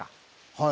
はい。